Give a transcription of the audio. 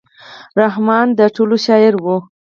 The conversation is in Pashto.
رحمان د ټولو شاعر و.